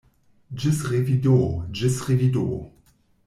Ĝis revido; ĝis revido!